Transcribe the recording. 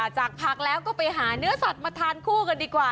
จากผักแล้วก็ไปหาเนื้อสัตว์มาทานคู่กันดีกว่า